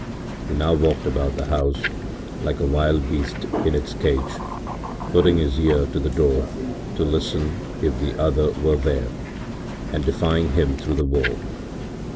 He now walked about the house like a wild beast in its cage, putting his ear to the door to listen if the other were there and defying him through the wall.